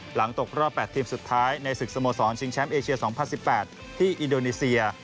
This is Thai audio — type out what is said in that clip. ตกรอบ๘ทีมสุดท้ายในศึกสโมสรชิงแชมป์เอเชีย๒๐๑๘ที่อินโดนีเซีย